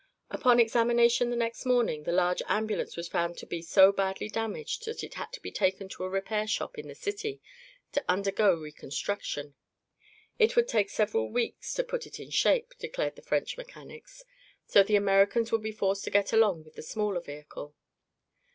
Upon examination the next morning the large ambulance was found to be so badly damaged that it had to be taken to a repair shop in the city to undergo reconstruction. It would take several weeks to put it in shape, declared the French mechanics, so the Americans would be forced to get along with the smaller vehicle.